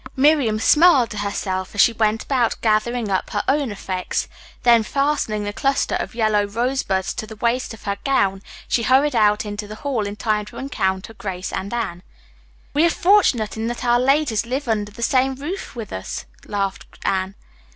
Miriam smiled to herself as she went about gathering up her own effects, then fastening the cluster of yellow rosebuds to the waist of her gown she hurried out into the hall in time to encounter Grace and Anne. "We are fortunate in that our ladies live under the same roof with us," laughed Anne.